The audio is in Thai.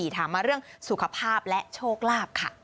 ถามมาเรื่องสุขภาพและโชคลาภค่ะ